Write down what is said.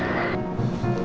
setia pak bos